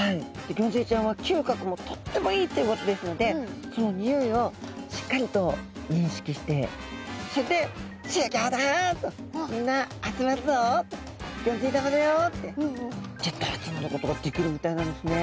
ギョンズイちゃんは嗅覚もとってもいいということですのでそのにおいをしっかりと認識してそれで「集合だ」と「みんな集まるぞ」と「ギョンズイ玉だよ」ってギュッと集まることができるみたいなんですね。